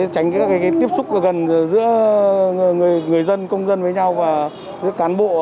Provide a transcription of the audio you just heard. tránh các tiếp xúc gần giữa người dân công dân với nhau và các cán bộ